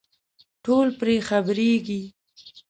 ټول پرې خبرېږي.